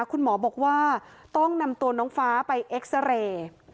คุณหมอบอกว่าต้องนำตัวน้องฟ้าไปเอ็กซาเรย์